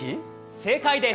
正解です！